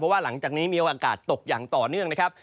ว่าหลังจากนี้มีโอกาสตกอย่างต่อเนื่องนะครับ